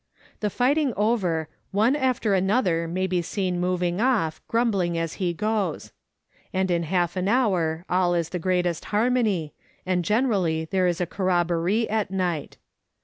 The fighting over, one after another may be seen moving off grumbling as he goes, and in half an hour all is the greatest harmony, and generally there is a corrobboree at night.